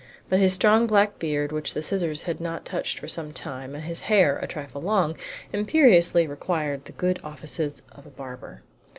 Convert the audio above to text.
But his strong black beard, which the scissors had not touched for some time, and his hair, a trifle long, imperiously required the good offices of a barber.